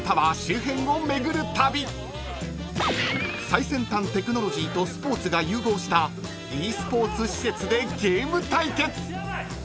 ［最先端テクノロジーとスポーツが融合したｅスポーツ施設でゲーム対決］